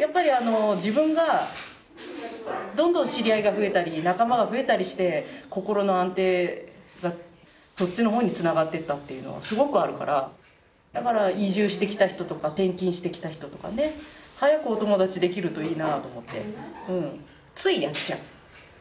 やっぱりあの自分がどんどん知り合いが増えたり仲間が増えたりして心の安定そっちの方につながってったっていうのがすごくあるからだから移住してきた人とか転勤してきた人とかね早くお友達できるといいなあと思ってついやっちゃう。